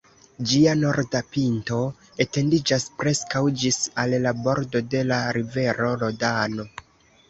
Ĝia norda pinto etendiĝas preskaŭ ĝis al la bordo de la rivero Rodano.